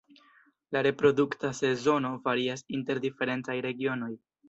La reprodukta sezono varias inter diferencaj regionoj.